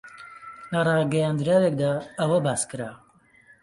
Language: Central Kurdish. لە ڕاگەیەندراوێکدا ئەوە باس کرا